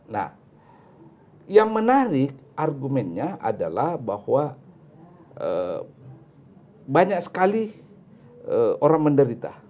nah yang menarik argumennya adalah bahwa banyak sekali orang menderita